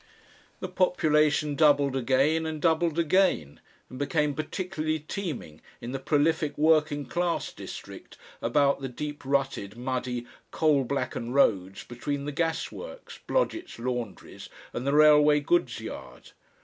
The population doubled again and doubled again, and became particularly teeming in the prolific "working class" district about the deep rutted, muddy, coal blackened roads between the gasworks, Blodgett's laundries, and the railway goods yard.